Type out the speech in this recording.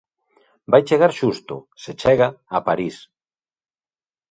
Vai chegar xusto, se chega, a París.